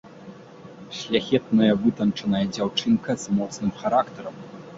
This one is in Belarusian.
Шляхетная вытанчаная дзяўчынка з моцным характарам.